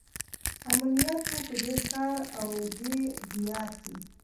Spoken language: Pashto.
امنیت وو په دې ښار او دې دیار کې.